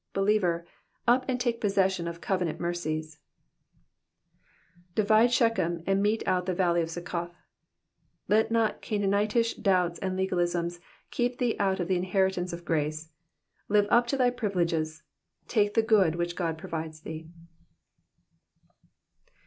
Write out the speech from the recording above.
Believer, up and take possession of covenant mercies, ^'Bivitle Shechem, and met€ out the valley of Suceoth.'''^ Let not Oanaanitish doubts and legalisms keep thee out of the inheritance of grace. Live up to thy privileges, take the good which God provides thee.